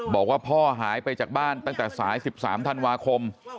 บอกว่าพ่อหายไปจากบ้านตั้งแต่สาย๑๓ธันวาคม